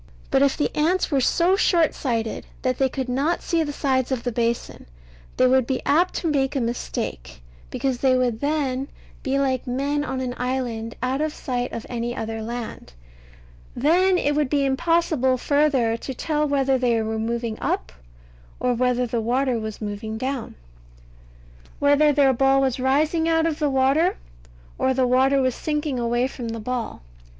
But if the ants were so short sighted that they could not see the sides of the basin, they would be apt to make a mistake, because they would then be like men on an island out of sight of any other land. Then it would be impossible further to tell whether they were moving up, or whether the water was moving down; whether their ball was rising out of the water, or the water was sinking away from the ball.